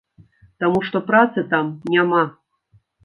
Таму што працы там няма.